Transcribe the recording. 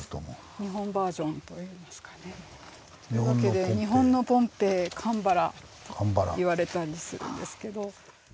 日本バージョンといいますかね。というわけで「日本のポンペイ鎌原」と言われたりするんですけど。